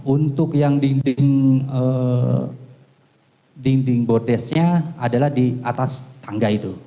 untuk yang dinding dinding bordesnya adalah di atas tangga itu